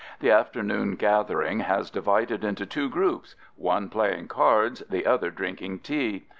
The afternoon gathering has divided into two groups, one playing cards, the other drinking tea.